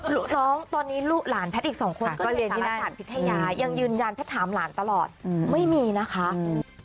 หลวงตอนนี้ลูกหลานแพทย์อีก๒คนก็เรียนศาลศาสตร์พิทยายายังยืนยันแพทย์ถามหลานตลอดไม่มีนะคะ